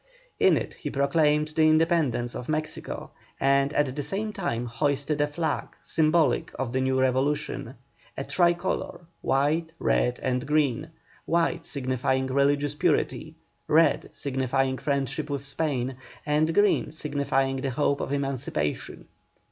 In it he proclaimed the independence of Mexico, and at the same time hoisted a flag symbolic of the new revolution, a tri colour, white, red, and green; white signifying religious purity, red signifying friendship with Spain, and green signifying the hope of emancipation.